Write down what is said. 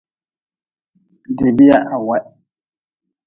Debia haweh.